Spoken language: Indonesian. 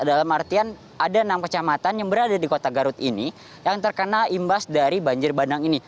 dalam artian ada enam kecamatan yang berada di kota garut ini yang terkena imbas dari banjir bandang ini